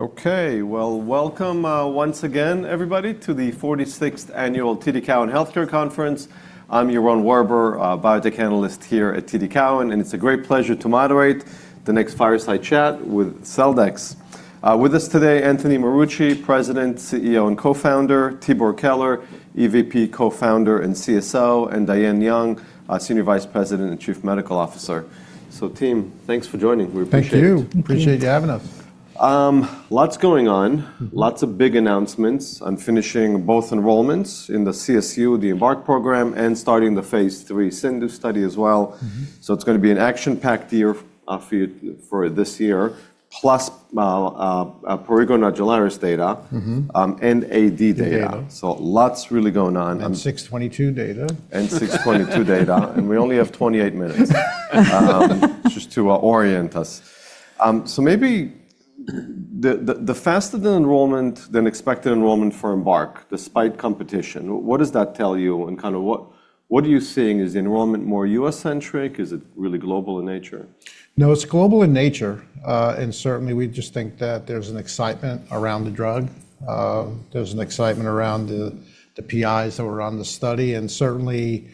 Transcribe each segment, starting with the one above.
Okay. Well, welcome, once again, everybody, to the 46th annual TD Cowen Healthcare Conference. I'm Yaron Werber, a biotech analyst here at TD Cowen, and it's a great pleasure to moderate the next fireside chat with Celldex. With us today, Anthony Marucci, President, CEO, and Co-founder, Tibor Keler, EVP, Co-founder, and CSO, and Diane Young, Senior Vice President and Chief Medical Officer. Team, thanks for joining. We appreciate it. Thank you. Thank you. Appreciate you having us. Lots going on. Mm-hmm. Lots of big announcements. I'm finishing both enrollments in the CSU, the EMBARQ program, and starting the phase III CIndU study as well. Mm-hmm. It's gonna be an action-packed year for you for this year, plus, well, prurigo nodularis data. Mm-hmm AD data. Data. Lots really going on. CDX-622 data. Six 622 data. We only have 28 minutes... just to orient us. Maybe the faster the enrollment than expected enrollment for EMBARQ, despite competition, what does that tell you? Kinda what are you seeing? Is the enrollment more US-centric? Is it really global in nature? No, it's global in nature. Certainly we just think that there's an excitement around the drug. There's an excitement around the PIs that were on the study. Certainly,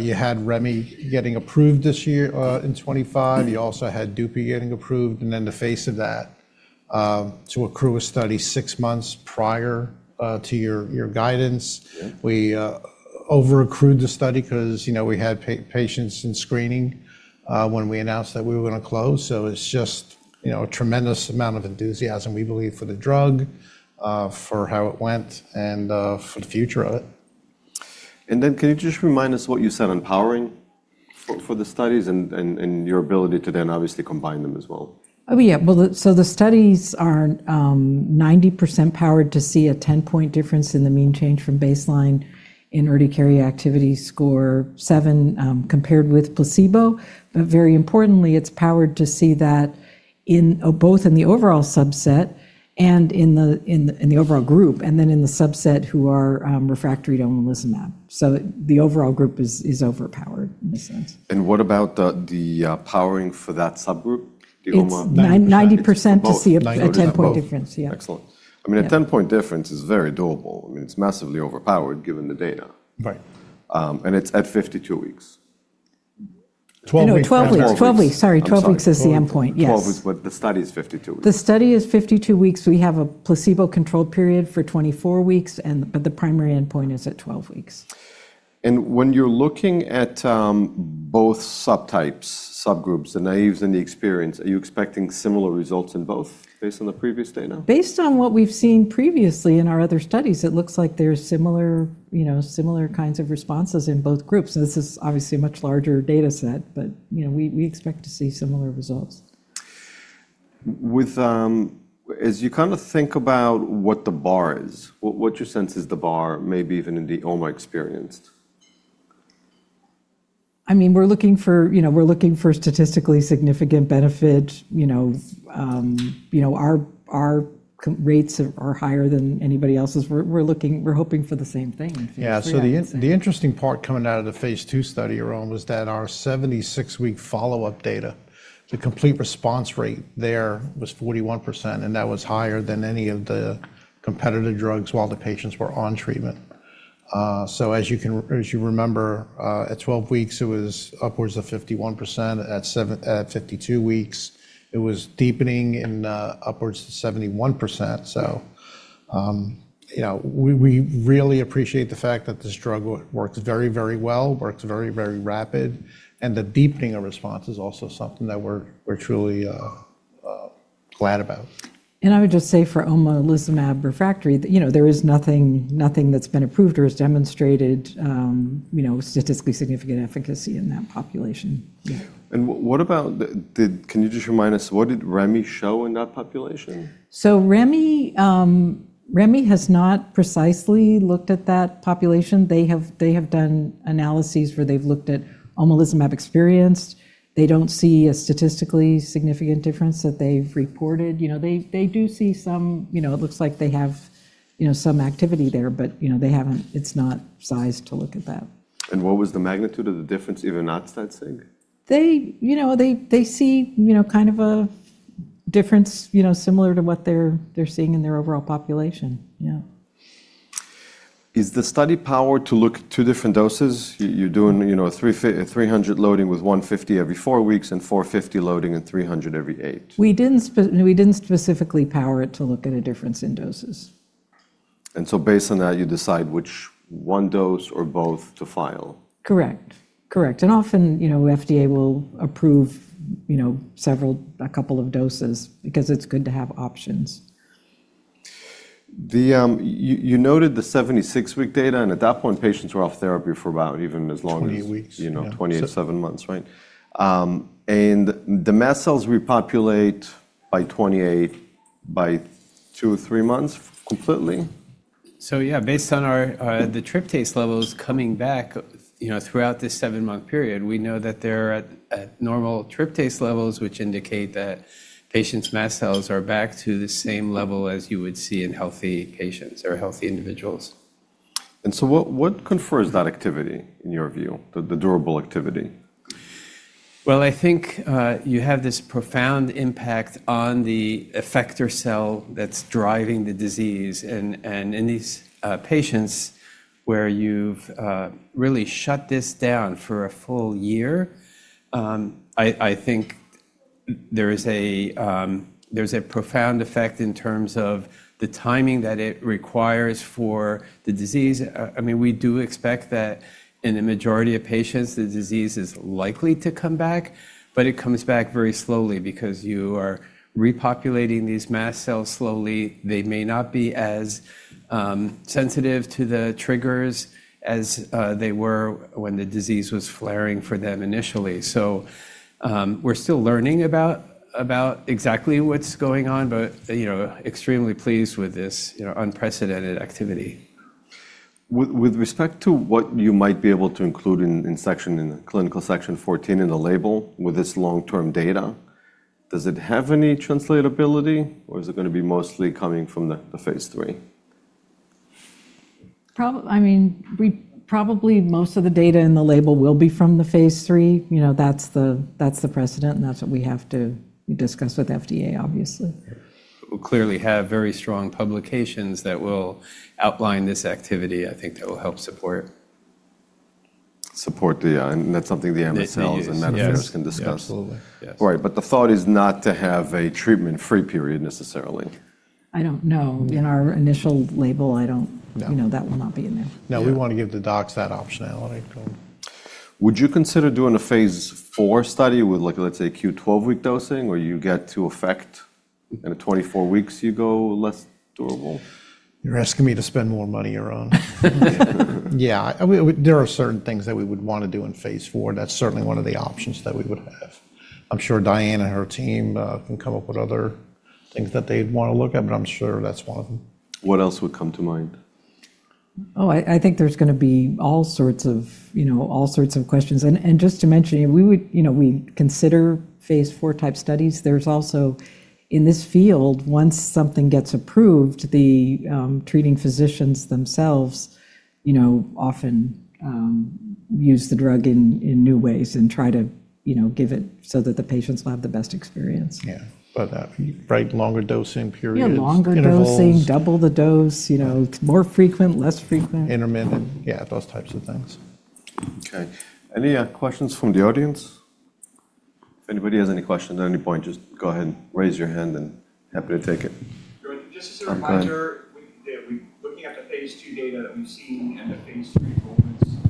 you had remi getting approved this year, in 2025. You also had Dupixent getting approved. Then the face of that, to accrue a study six months prior, to your guidance. Yeah. We over-accrued the study 'cause, you know, we had patients in screening when we announced that we were gonna close. It's just, you know, a tremendous amount of enthusiasm, we believe, for the drug, for how it went and for the future of it. Can you just remind us what you said on powering for the studies and your ability to then obviously combine them as well? Yeah. The studies are 90% powered to see a 10-point difference in the mean change from baseline in Urticaria Activity Score 7 compared with placebo. Very importantly, it's powered to see that in both in the overall subset and in the overall group, and then in the subset who are refractory to omalizumab. The overall group is overpowered in a sense. What about the powering for that subgroup, the OMA-? 9, 90%. It's 90% to see a 10-point difference. Both. 90% both. Yeah. Excellent. Yeah. I mean, a 10-point difference is very doable. I mean, it's massively overpowered given the data. Right. It's at 52 weeks. 12 weeks. No, 12 weeks. 12 weeks. 12 weeks. Sorry. I'm sorry. 12 weeks is the endpoint, yes. 12 weeks. The study is 52 weeks. The study is 52 weeks. We have a placebo control period for 24 weeks but the primary endpoint is at 12 weeks. When you're looking at both subgroups, the naives and the experienced, are you expecting similar results in both based on the previous data? Based on what we've seen previously in our other studies, it looks like there's similar, you know, similar kinds of responses in both groups. This is obviously a much larger data set, but, you know, we expect to see similar results. With as you kinda think about what the bar is, what's your sense is the bar maybe even in the OMA experienced? I mean, we're looking for, you know, we're looking for statistically significant benefit. You know, you know, our rates are higher than anybody else's. We're looking... we're hoping for the same thing in phase III... Yeah I would say. The interesting part coming out of the phase II study, Yaron, was that our 76 week follow-up data, the complete response rate there was 41%, and that was higher than any of the competitive drugs while the patients were on treatment. As you remember, at 12 weeks, it was upwards of 51%. At 52 weeks, it was deepening and upwards to 71%. You know, we really appreciate the fact that this drug works very, very well, works very, very rapid, and the deepening of response is also something that we're truly glad about. I would just say for omalizumab refractory that, you know, there is nothing that's been approved or has demonstrated, you know, statistically significant efficacy in that population. Yeah. What about the, can you just remind us what did remi show in that population? Remi has not precisely looked at that population. They have done analyses where they've looked at omalizumab experienced. They don't see a statistically significant difference that they've reported. You know, they do see some, you know, it looks like they have, you know, some activity there, but, you know, they haven't. It's not sized to look at that. What was the magnitude of the difference even outside setting? They, you know, they see, you know, kind of a difference, you know, similar to what they're seeing in their overall population. Yeah. Is the study powered to look at two different doses? You're doing, you know, a 300 loading with 150 every four weeks and 450 loading and 300 every eight. We didn't specifically power it to look at a difference in doses. based on that, you decide which 1 dose or both to file? Correct. Correct. Often, you know, FDA will approve, you know, a couple of doses because it's good to have options. The, you noted the 76-week data, and at that point, patients were off therapy for about even as long as- 28 weeks. Yeah... you know, 20 to seven months, right? The mast cells repopulate by two, three months completely? Yeah, based on the tryptase levels coming back, you know, throughout this seven-month period, we know that they're at normal tryptase levels, which indicate that patients' mast cells are back to the same level as you would see in healthy patients or healthy individuals. What confers that activity in your view, the durable activity? Well, I think you have this profound impact on the effector cell that's driving the disease. In these patients where you've really shut this down for a full year, I think there is a, there's a profound effect in terms of the timing that it requires for the disease. I mean, we do expect that in a majority of patients the disease is likely to come back, but it comes back very slowly because you are repopulating these mast cells slowly. They may not be as sensitive to the triggers as they were when the disease was flaring for them initially. We're still learning about exactly what's going on, but, you know, extremely pleased with this, you know, unprecedented activity. With respect to what you might be able to include in the clinical section 14 in the label with this long-term data, does it have any translatability or is it gonna be mostly coming from the phase III? I mean, probably most of the data in the label will be from the phase III. You know, that's the precedent and that's what we have to discuss with FDA, obviously. We'll clearly have very strong publications that will outline this activity, I think that will help support. That's something the MSLs. The use. Yes. medical affairs can discuss. Absolutely. Yes. Right. The thought is not to have a treatment-free period necessarily. I don't know. In our initial label, I don't- No. You know, that will not be in there. Yeah. No, we wanna give the docs that optionality. Would you consider doing a phase IV study with like, let's say, Q 12-week dosing where you get to effect and at 24 weeks you go less durable? You're asking me to spend more money, Yaron. Yeah. We There are certain things that we would wanna do in phase IV. That's certainly one of the options that we would have. I'm sure Diane and her team can come up with other things that they'd wanna look at, but I'm sure that's one of them. What else would come to mind? Oh, I think there's going to be all sorts of, you know, all sorts of questions. Just to mention, you know, we consider phase IV type studies. There's also, in this field, once something gets approved, the treating physicians themselves, you know, often use the drug in new ways and try to, you know, give it so that the patients will have the best experience. Yeah. Right, longer dosing periods. Yeah, longer dosing. Intervals. Double the dose. You know, more frequent, less frequent. Intermittent. Yeah, those types of things. Okay. Any questions from the audience? If anybody has any questions at any point, just go ahead and raise your hand and happy to take it. Just as a reminder. Go ahead. Looking at the phase II data that we've seen and the phase III enrollments.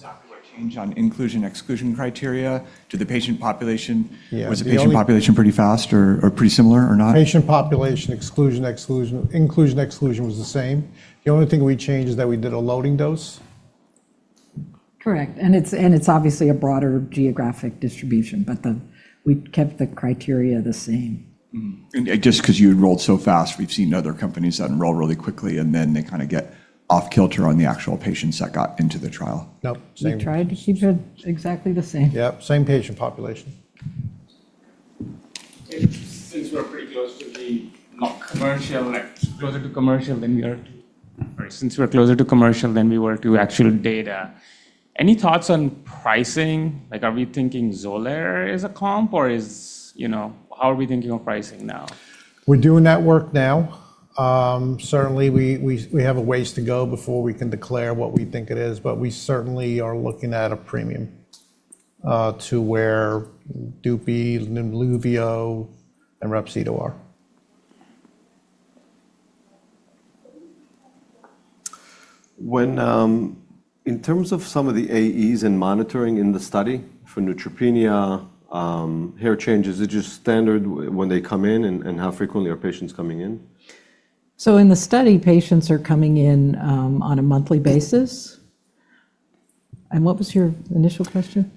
Did you. I can't remember exactly what changed on inclusion, exclusion criteria. Do the patient population- Yeah. Was the patient population pretty fast or pretty similar or not? Patient population exclusion, inclusion, exclusion was the same. The only thing we changed is that we did a loading dose. Correct. It's obviously a broader geographic distribution. We kept the criteria the same. Just 'cause you enrolled so fast, we've seen other companies that enroll really quickly, and then they kinda get off kilter on the actual patients that got into the trial. Nope. Same. We tried to keep it exactly the same. Yep, same patient population. Since we're closer to commercial than we were to actual data, any thoughts on pricing? Like, are we thinking Xolair as a comp, you know, how are we thinking of pricing now? We're doing that work now. Certainly we have a ways to go before we can declare what we think it is, but we certainly are looking at a premium, to where Dupi, Olumiant, and Rinvoq are. When, in terms of some of the AEs and monitoring in the study for neutropenia, hair changes, is it just standard when they come in and how frequently are patients coming in? In the study, patients are coming in, on a monthly basis. What was your initial question?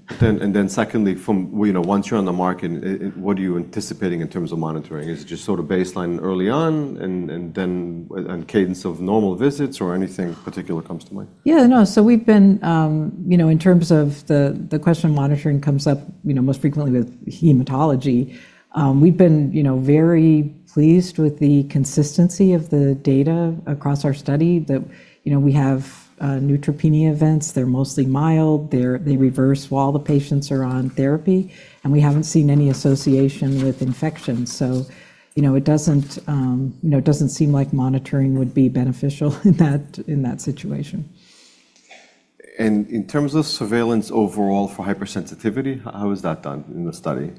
Secondly, from, you know, once you're on the market, what are you anticipating in terms of monitoring? Is it just sort of baseline early on and then, and cadence of normal visits or anything particular comes to mind? No. We've been, you know, in terms of the question monitoring comes up, you know, most frequently with hematology. We've been, you know, very pleased with the consistency of the data across our study that, you know, we have neutropenia events. They're mostly mild. They reverse while the patients are on therapy, and we haven't seen any association with infections. It doesn't, you know, it doesn't seem like monitoring would be beneficial in that, in that situation. In terms of surveillance overall for hypersensitivity, how is that done in the study?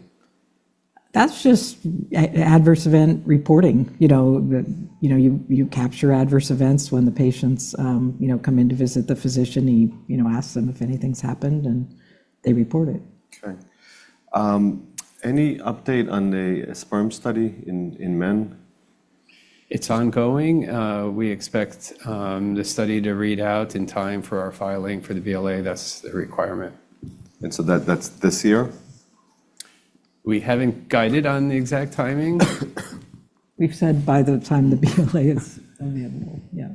That's just adverse event reporting. You know, you capture adverse events when the patients, you know, come in to visit the physician. He, you know, asks them if anything's happened, they report it. Any update on the sperm study in men? It's ongoing. We expect the study to read out in time for our filing for the BLA. That's the requirement. That's this year? We haven't guided on the exact timing. We've said by the time the BLA is available. Yeah.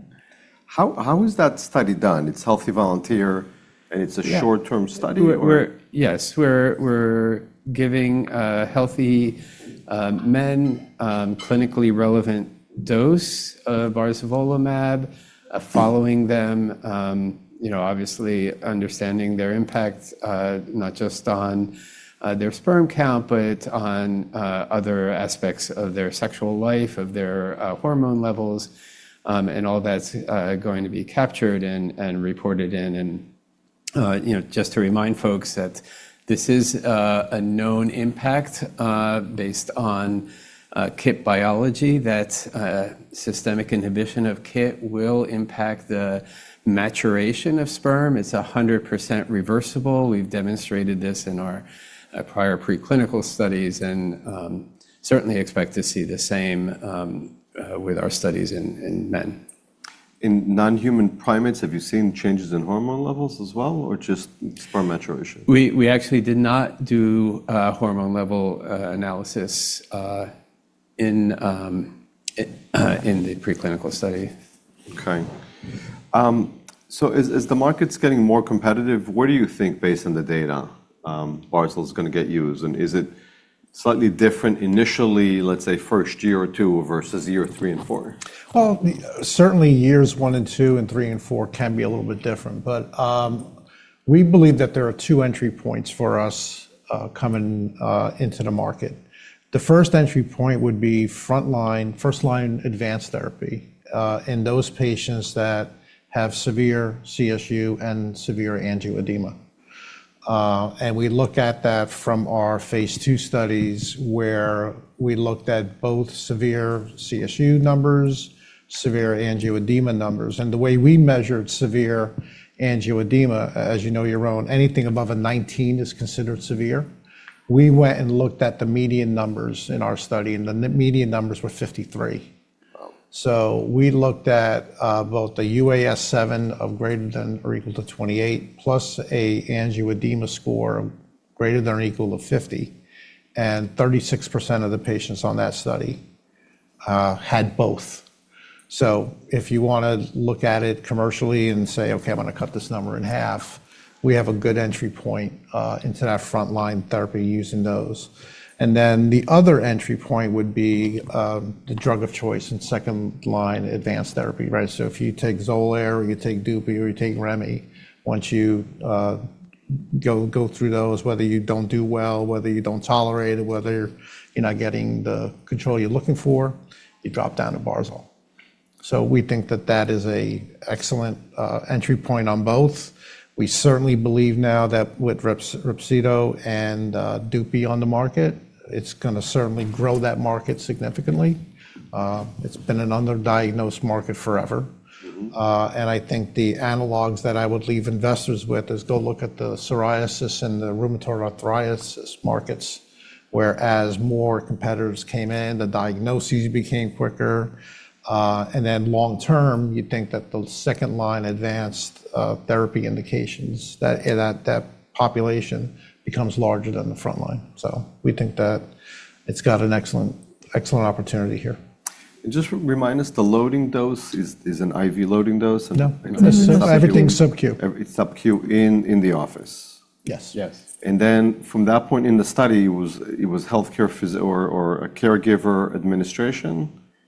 How is that study done? It's healthy volunteer. Yeah. It's a short-term study or? Yes. We're giving healthy men, clinically relevant dose of barzolvolimab, following them, you know, obviously understanding their impact, not just on their sperm count, but on other aspects of their sexual life, of their hormone levels. All that's going to be captured and reported in. You know, just to remind folks that this is a known impact based on KIT biology that systemic inhibition of KIT will impact the maturation of sperm. It's 100% reversible. We've demonstrated this in our prior preclinical studies and certainly expect to see the same with our studies in men. In non-human primates, have you seen changes in hormone levels as well, or just sperm maturation? We actually did not do hormone level analysis in the preclinical study. Okay. As the market's getting more competitive, where do you think, based on the data, barzolvolimab is gonna get used? Is it slightly different initially, let's say, first year or two versus year three and four? Certainly years one and two, and three and four can be a little bit different. We believe that there are two entry points for us coming into the market. The first entry point would be frontline, first line advanced therapy in those patients that have severe CSU and severe angioedema. We look at that from our phase II studies where we looked at both severe CSU numbers, severe angioedema numbers. The way we measured severe angioedema, as you know, Yaron, anything above a 19 is considered severe. We went and looked at the median numbers in our study, and the median numbers were 53. Wow. We looked at both the UAS7 of greater than or equal to 28, plus an angioedema score greater than or equal to 50, and 36% of the patients on that study had both. If you want to look at it commercially and say, "Okay, I'm going to cut this number in half," we have a good entry point into that frontline therapy using those. The other entry point would be the drug of choice in second line advanced therapy, right? If you take Xolair or you take Dupi or you take remi, once you go through those, whether you don't do well, whether you don't tolerate it, whether you're not getting the control you're looking for, you drop down to barzolvolimab. We think that that is an excellent entry point on both. We certainly believe now that with Repzido and Dupi on the market, it's gonna certainly grow that market significantly. It's been an underdiagnosed market forever. Mm-hmm. I think the analogs that I would leave investors with is go look at the psoriasis and the rheumatoid arthritis markets, where as more competitors came in, the diagnoses became quicker. Long term, you'd think that the second line advanced therapy indications that population becomes larger than the frontline. We think that it's got an excellent opportunity here. Just remind us, the loading dose is an IV loading dose? No. No. Everything's sub-Q. It's sub-Q in the office? Yes. Yes. From that point in the study, it was healthcare or a caregiver administration?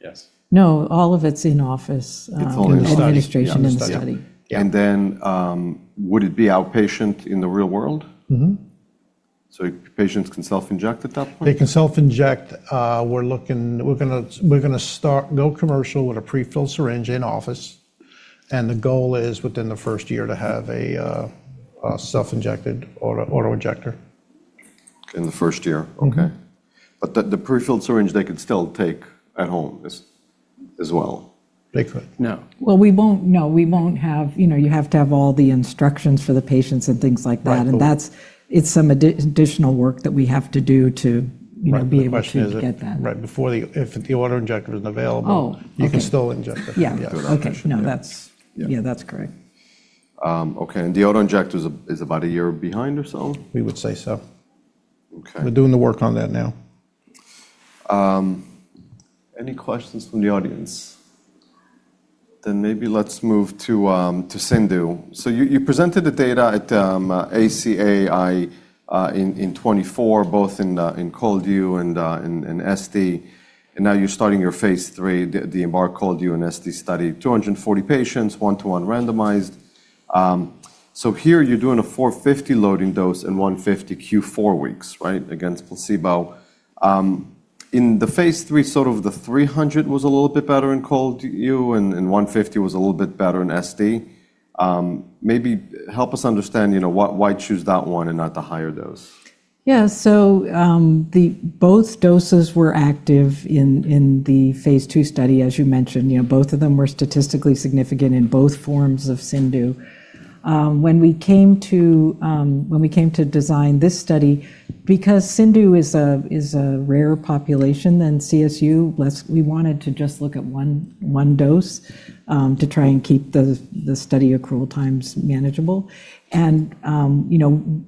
Yes. No, all of it's in office. It's all in the study.... in the administration in the study. Yeah. Would it be outpatient in the real world? Mm-hmm. Patients can self-inject at that point? They can self-inject. We're gonna go commercial with a pre-filled syringe in office, and the goal is within the first year to have a self-injected auto-injector. In the first year? Mm-hmm. Okay. the pre-filled syringe they could still take at home as well? They could. No. No. We won't have. You know, you have to have all the instructions for the patients and things like that. Right.... that's, it's some additional work that we have to do to, you know. Right. The question is-... be able to get that. If the auto-injector isn't available. Oh, okay. you can still inject it. Yeah. Yes. Okay. No, that's. Yeah. Yeah, that's correct. Okay. The auto-injector's about a year behind or so? We would say so. Okay. We're doing the work on that now. Any questions from the audience? Maybe let's move to CIndU. You presented the data at AAAAI in 2024, both in ColdU and in SD, and now you're starting your phase III, the EMBARQ-ColdU and SD study. 240 patients, one-to-one randomized. Here you're doing a 450 loading dose and 150 Q4 weeks, right, against placebo. In the phase III, sort of the 300 was a little bit better in ColdU and 150 was a little bit better in SD. Maybe help us understand, you know, why choose that one and not the higher dose? Yeah. Both doses were active in the phase II study, as you mentioned. You know, both of them were statistically significant in both forms of CIndU. When we came to design this study, because CIndU is a rare population than CSU, we wanted to just look at one dose to try and keep the study accrual times manageable. You know.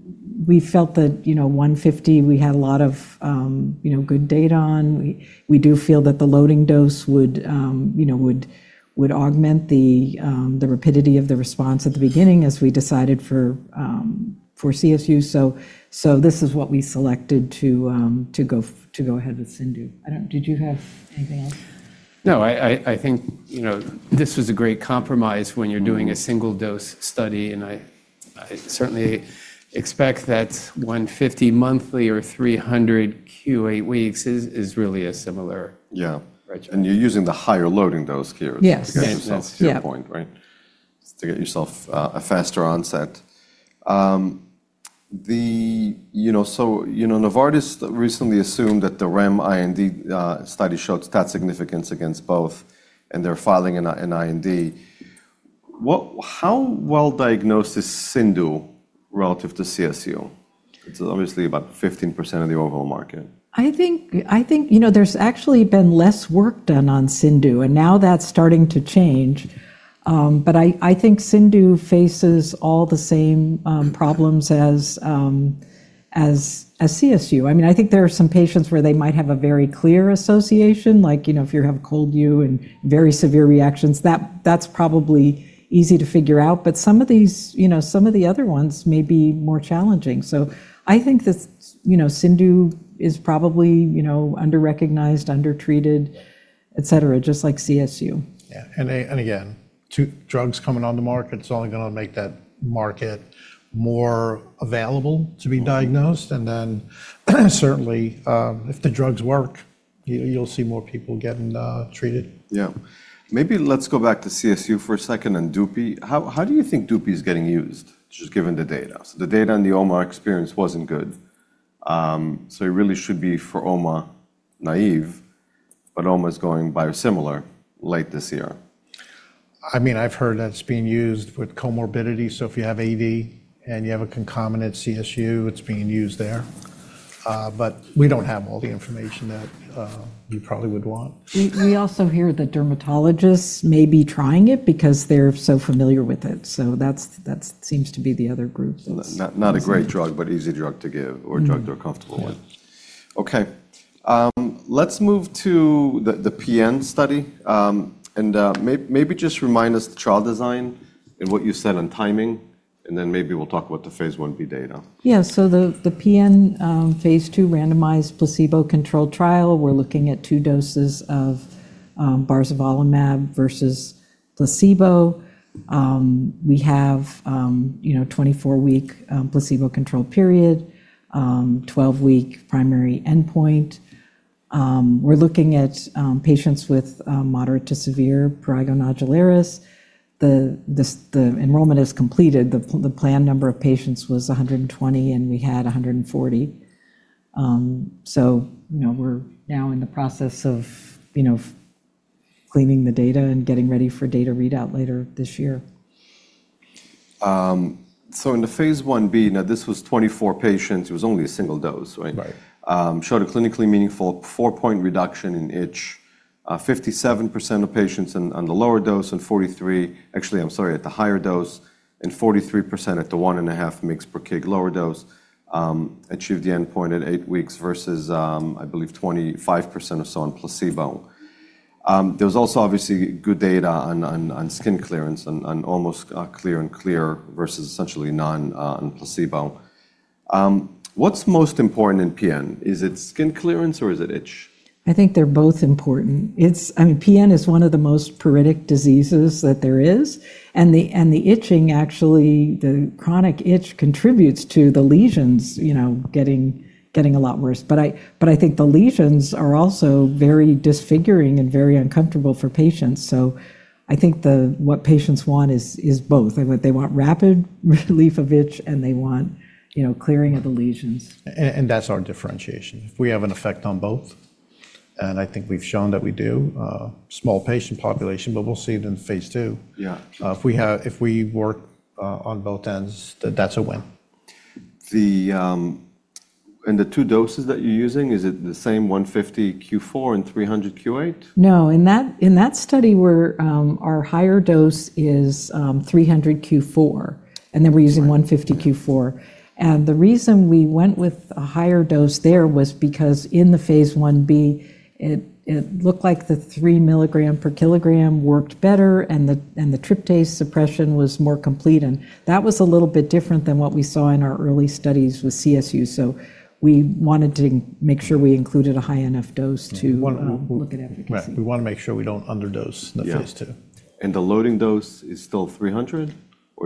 We felt that, you know, 150 we had a lot of, you know, good data on. We do feel that the loading dose would, you know, would augment the rapidity of the response at the beginning as we decided for CSU. This is what we selected to go ahead with CIndU. Did you have anything else? No. I think, you know, this was a great compromise when you're doing a single dose study. I certainly expect that 150 monthly or 300 Q eight weeks is really a similar-. Yeah. Right. You're using the higher loading dose here. Yes. Yes. -to get yourself to your point, right? To get yourself a faster onset. You know, so, you know, Novartis recently assumed that the REM IND study showed stat significance against both and they're filing an IND. How well diagnosed is CIndU relative to CSU? It's obviously about 15% of the overall market. I think, you know, there's actually been less work done on CIndU, and now that's starting to change. But I think CIndU faces all the same problems as CSU. I mean, I think there are some patients where they might have a very clear association, like, you know, if you have a ColdU and very severe reactions, that's probably easy to figure out. But some of these, you know, some of the other ones may be more challenging. I think this, you know, CIndU is probably, you know, under-recognized, under-treated. Yeah. et cetera, just like CSU. Yeah. Again, two drugs coming on the market, it's only gonna make that market more available to be diagnosed. Mm-hmm. Certainly, if the drugs work, you'll see more people getting treated. Yeah. Maybe let's go back to CSU for a second and Dupi. How do you think Dupi is getting used just given the data? The data in the OMA experience wasn't good. It really should be for OMA naive, but OMA's going biosimilar late this year. I mean, I've heard that it's being used with comorbidity. If you have AD and you have a concomitant CSU, it's being used there. We don't have all the information that you probably would want. We also hear that dermatologists may be trying it because they're so familiar with it, so that's seems to be the other group that's using it. Not a great drug, but easy drug to give or drug they're comfortable with. Yeah. Okay. Let's move to the PN study. Maybe just remind us the trial design and what you said on timing, and then maybe we'll talk about the Phase Ib data. The PN phase II randomized placebo-controlled trial, we're looking at two doses of barzolvolimab versus placebo. We have, you know, a 24-week placebo control period, a 12-week primary endpoint. We're looking at patients with moderate to severe prurigo nodularis. The enrollment is completed. The planned number of patients was 120, and we had 140. You know, we're now in the process of, you know, cleaning the data and getting ready for data readout later this year. In the Phase Ib, now this was 24 patients, it was only a single dose, right? Right. Showed a clinically meaningful four-point reduction in itch. 57% of patients on the lower dose. Actually, I'm sorry, at the higher dose, and 43% at the 1.5 mgs per kg lower dose, achieved the endpoint at eight weeks versus, I believe 25% or so on placebo. There was also obviously good data on skin clearance on almost clear and clear versus essentially none on placebo. What's most important in PN? Is it skin clearance or is it itch? I think they're both important. It's I mean, PN is one of the most pruritic diseases that there is, and the itching actually, the chronic itch contributes to the lesions, you know, getting a lot worse. I think the lesions are also very disfiguring and very uncomfortable for patients. I think what patients want is both. Like what they want rapid relief of itch, and they want, you know, clearing of the lesions. That's our differentiation. If we have an effect on both, and I think we've shown that we do, small patient population, but we'll see it in phase II. Yeah. If we work, on both ends, that's a win. The two doses that you're using, is it the same 150 Q4 and 300 Q8? No. In that, in that study, we're our higher dose is 300 Q4, then we're using 150 Q4. The reason we went with a higher dose there was because in the Phase Ib, it looked like the 3 mg per kg worked better and the tryptase suppression was more complete. That was a little bit different than what we saw in our early studies with CSU. We wanted to make sure we included a high enough dose. We wanna. look at efficacy. Right. We wanna make sure we don't underdose the phase II. Yeah. The loading dose is still 300 or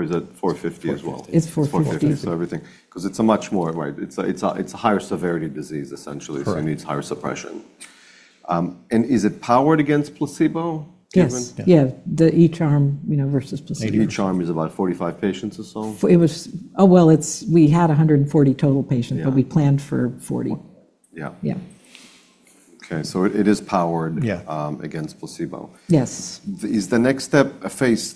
is it 450 as well? 450. It's 450. 450. 'Cause it's a much more, right, it's a higher severity disease essentially. Correct. It needs higher suppression. Is it powered against placebo even? Yes. Yeah. The each arm, you know, versus placebo. Each arm is about 45 patients or so? It was... Oh, well, we had 140 total patients. Yeah. We planned for 40. Yeah. Yeah. Okay. Yeah. against placebo. Yes. Is the next step a phase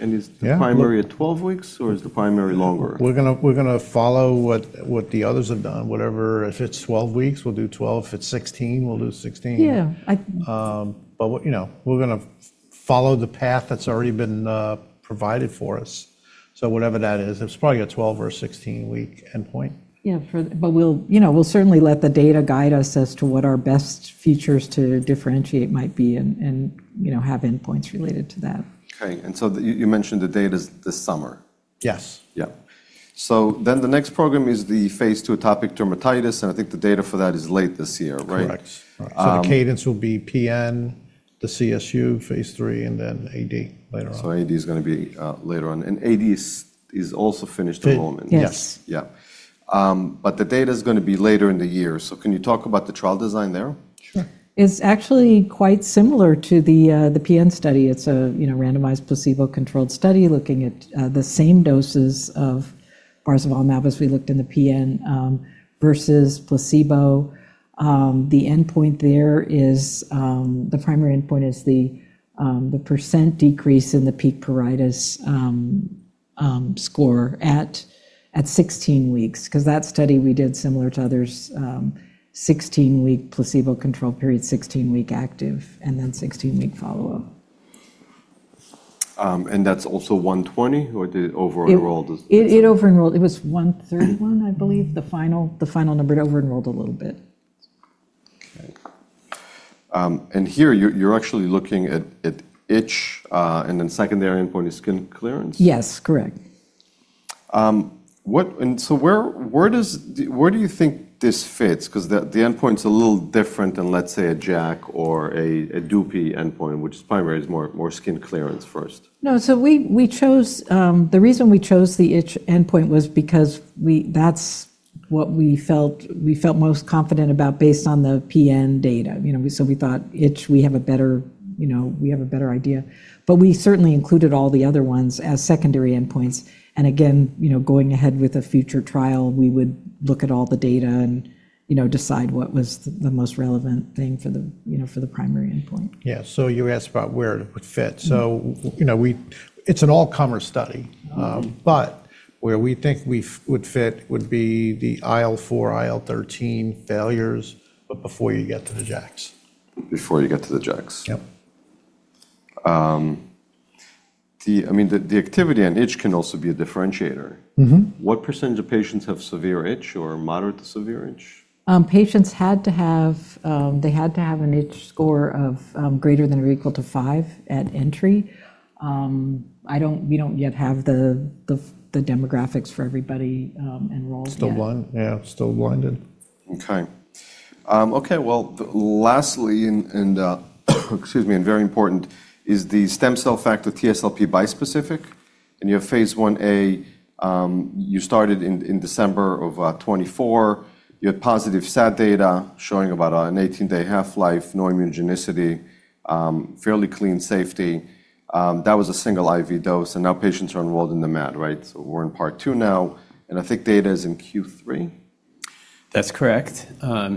III? Is the primary. Yeah. at 12 weeks or is the primary longer? We're gonna follow what the others have done. Whatever... If it's 12 weeks, we'll do 12. If it's 16, we'll do 16. Yeah. You know, we're gonna follow the path that's already been provided for us. Whatever that is, it's probably a 12 or a 16-week endpoint. Yeah, we'll, you know, we'll certainly let the data guide us as to what our best features to differentiate might be and, you know, have endpoints related to that. Okay. You mentioned the date is this summer? Yes. Yeah. The next program is the phase II atopic dermatitis, and I think the data for that is late this year, right? Correct. Um- The cadence will be PN, the CSU, phase III, and then AD later on. AD is gonna be later on. AD is also finished enrollment. Yes. Yes. Yeah. The data's gonna be later in the year. Can you talk about the trial design there? Sure. It's actually quite similar to the PN study. It's a, you know, randomized placebo-controlled study looking at the same doses of barzolvolimab as we looked in the PN versus placebo. The endpoint there is the primary endpoint is the percent decrease in the peak pruritus score at 16 weeks. 'Cause that study we did similar to others, 16-week placebo control period, 16-week active, and then 16-week follow-up. That's also 120, or it over-enrolled. It over-enrolled. It was 131, I believe, the final number. It over-enrolled a little bit. Okay. Here you're actually looking at itch, and then secondary endpoint is skin clearance? Yes, correct. Where do you think this fits? 'Cause the endpoint's a little different than, let's say, a JAK or a DUPY endpoint, which is primary is more skin clearance first. The reason we chose the itch endpoint was because we felt most confident about based on the PN data. We thought itch we have a better, you know, we have a better idea. We certainly included all the other ones as secondary endpoints. Again, you know, going ahead with a future trial, we would look at all the data and, you know, decide what was the most relevant thing for the, you know, for the primary endpoint. Yeah. You asked about where it would fit. Mm-hmm. You know, It's an all-comer study. Mm-hmm. Where we think we would fit would be the IL-4, IL-13 failures, but before you get to the JAKs. Before you get to the JAKs. Yep. I mean, the activity on itch can also be a differentiator. Mm-hmm. What % of patients have severe itch or moderate to severe itch? They had to have an itch score of greater than or equal to 5 at entry. We don't yet have the demographics for everybody enrolled yet. Yeah, still blinded. lastly, excuse me, and very important is the stem cell factor TSLP bispecific. You have Phase Ia, you started in December of 2024. You had positive SAD data showing about a 18-day half-life, no immunogenicity, fairly clean safety. That was a single IV dose, now patients are enrolled in the MAD, right? We're in Part 2 now, I think data is in Q3. That's correct.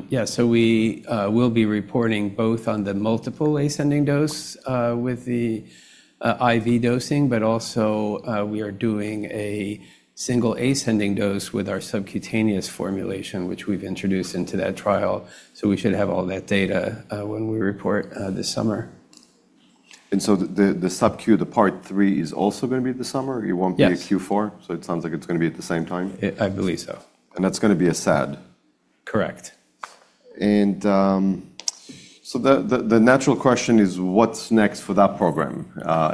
Yeah. We will be reporting both on the multiple ascending dose with the IV dosing, but also we are doing a single ascending dose with our subcutaneous formulation, which we've introduced into that trial. We should have all that data when we report this summer. The, the sub-Q, the phase III is also gonna be this summer? Yes. It won't be a Q4? It sounds like it's gonna be at the same time. I believe so. that's gonna be a SAD? Correct. The natural question is what's next for that program?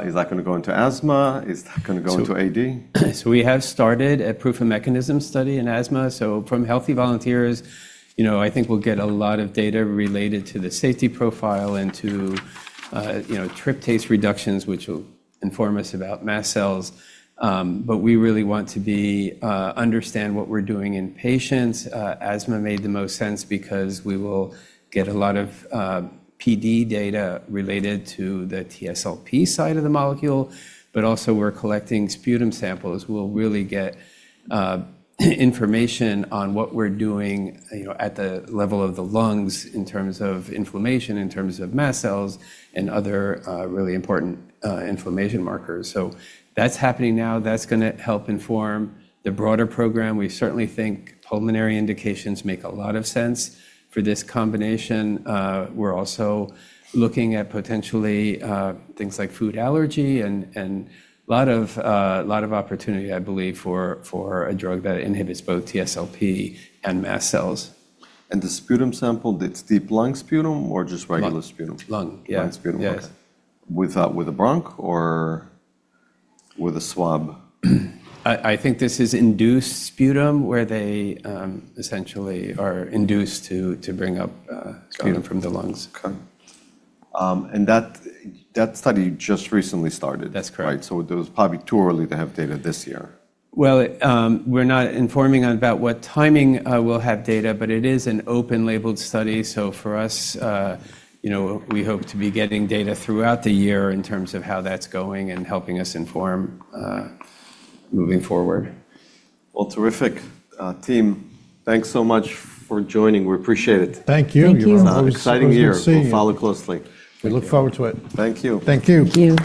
Is that gonna go into asthma? Is that gonna go into AD? We have started a proof of mechanism study in asthma. From healthy volunteers, you know, I think we'll get a lot of data related to the safety profile and to, you know, tryptase reductions, which will inform us about mast cells. We really want to be, understand what we're doing in patients. Asthma made the most sense because we will get a lot of PD data related to the TSLP side of the molecule, but also we're collecting sputum samples. We'll really get, information on what we're doing, you know, at the level of the lungs in terms of inflammation, in terms of mast cells, and other, really important, inflammation markers. That's happening now. That's gonna help inform the broader program. We certainly think pulmonary indications make a lot of sense for this combination. We're also looking at potentially things like food allergy and a lot of, a lot of opportunity, I believe, for a drug that inhibits both TSLP and mast cells. The sputum sample, it's deep lung sputum or just regular sputum? Lung. Lung, yeah. Lung sputum. Yes. With a bronch or with a swab? I think this is induced sputum where they essentially are induced to bring up sputum from the lungs. Okay. That study just recently started. That's correct. Right? It's probably too early to have data this year. We're not informing about what timing we'll have data, but it is an open-labeled study. For us, you know, we hope to be getting data throughout the year in terms of how that's going and helping us inform moving forward. Well, terrific. Team, thanks so much for joining. We appreciate it. Thank you. Thank you. An exciting year. Good to see you. We'll follow closely. We look forward to it. Thank you. Thank you. Thank you.